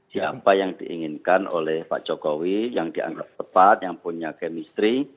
siapa yang diinginkan oleh pak jokowi yang dianggap tepat yang punya kemistri